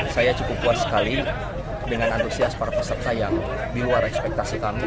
saya cukup puas sekali dengan antusias para peserta yang di luar ekspektasi kami